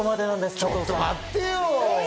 ちょっと待ってよ。